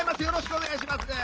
よろしくお願いします。